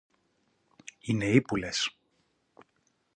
Είναι ύπουλες